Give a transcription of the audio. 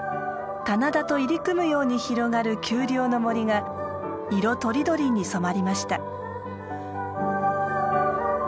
棚田と入り組むように広がる丘陵の森が色とりどりに染まりました。